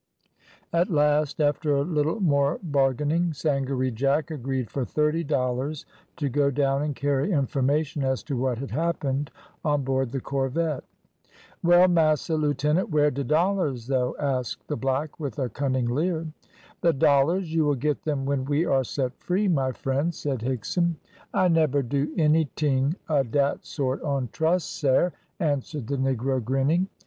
At last, after a little more bargaining, Sangaree Jack agreed for thirty dollars to go down and carry information as to what had happened, on board the corvette. "Well, massa lieutenant, where de dollars, though?" asked the black, with a cunning leer. "The dollars! You will get them when we are set free, my friend," said Higson. "I neber do anyting of dat sort on trust, sare," answered the negro, grinning.